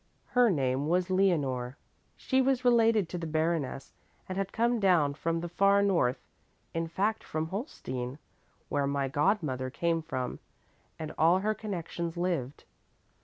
"Her name was Leonore. She was related to the baroness and had come down from the far north, in fact from Holstein, where my godmother came from and all her connections lived.